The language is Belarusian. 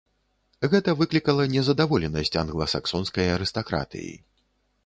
Гэта выклікала незадаволенасць англасаксонскай арыстакратыі.